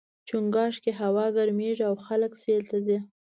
چنګاښ کې هوا ګرميږي او خلک سیل ته ځي.